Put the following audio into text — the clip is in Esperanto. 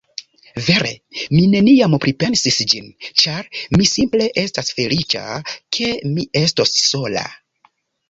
Vere, mi neniam pripensis ĝin, ĉar mi simple estas feliĉa, ke mi estos sola.